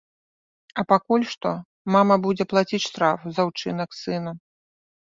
А пакуль што мама будзе плаціць штраф за ўчынак сына.